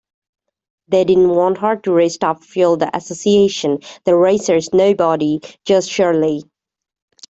They didn't want her to race Top Fuel, the association, the racers, nobody...Just Shirley.